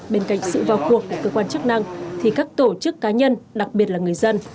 bên cạnh sự vào cuộc của cơ quan chức năng thì các tổ chức cá nhân đặc biệt là người dân